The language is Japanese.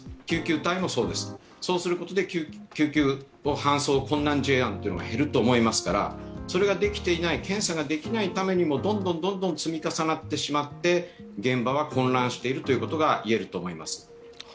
救急隊員もそうです、そういうことで救急搬送困難事案が減ると思いますから、それができていない、検査ができないためにどんどん積み重なってしまって現場は混乱しているということが言えると思います。